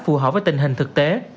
phù hợp với tình hình thực tế